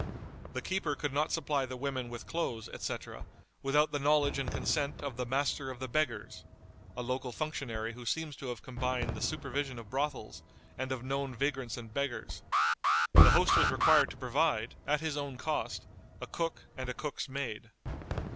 The keeper could not supply the women with clothes, etc., without the knowledge and consent of the Master of the Beggars (a local functionary who seems to have combined the supervision of brothels, and of known vagrants and beggars). The host was required to provide, at his own cost, a cook and a cook's maid.